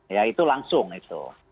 ya itu langsung itu